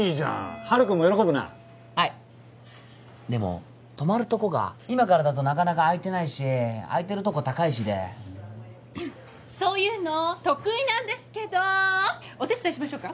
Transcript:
陽君も喜ぶなはいでも泊まるとこが今からだとなかなか空いてないし空いてるとこ高いしでそういうの得意なんですけどお手伝いしましょうか？